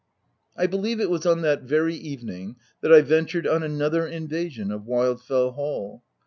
I believe it was on that very evening that I ventured on another invasion of Wildfell Hall.